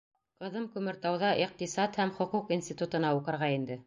Ҡыҙым Күмертауҙа иҡтисад һәм хоҡуҡ институтына уҡырға инде.